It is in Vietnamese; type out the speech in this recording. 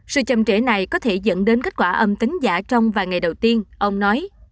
sự chầm trễ này có thể dẫn đến kết quả âm tính giả trong vài ngày đầu tiên ông nói